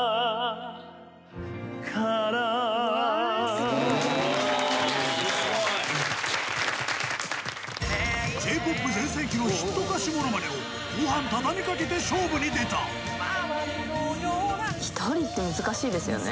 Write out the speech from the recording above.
すごーいすごいＪ−ＰＯＰ全盛期のヒット歌手ものまねを後半たたみかけて勝負に出た１人って難しいですよね